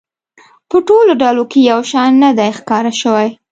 په ټولو ډلو کې یو شان نه دی ښکاره شوی.